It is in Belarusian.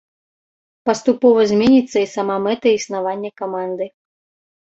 Паступова зменіцца і сама мэта існавання каманды.